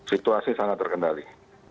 situasi sangat terkendali